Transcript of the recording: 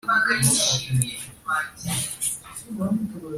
bivanyweho kandi bisimbujwe ibishyashya